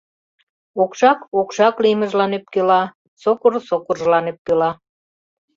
Окшак окшак лиймыжлан ӧпкела, сокыр сокыржылан ӧпкела.